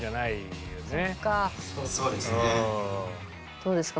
どうですか？